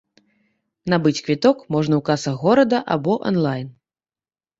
Набыць квіток можна ў касах горада або анлайн.